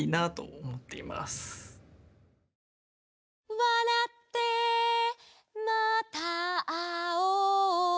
「わらってまたあおう」